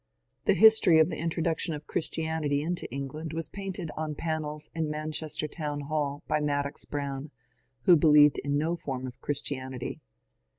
The history of the introduction of Christianity into England was painted on panels in Manchester Town Hall by Madox Brown, who believed in no form of Christianity.